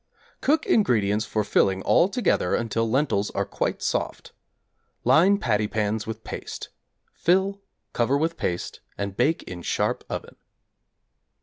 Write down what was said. Cook ingredients for filling all together until lentils are quite soft. Line patty pans with paste; fill, cover with paste and bake in sharp oven.